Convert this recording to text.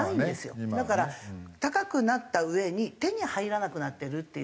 だから高くなったうえに手に入らなくなってるっていう。